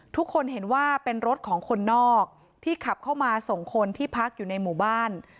ทุกคนเห็นว่าเป็นรถของคนนอกที่ขับเข้ามาส่งคนที่พักอยู่ในหมู่บ้าน